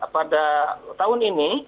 pada tahun ini